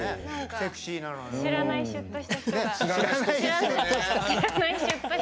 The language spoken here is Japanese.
セクシーなのよ。